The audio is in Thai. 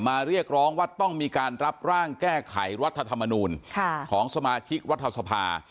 มาเรียกร้องว่าต้องมีการรับร่างแก้ไขวัฒนธรรมนูญค่ะของสมาชิกวัฒนศพา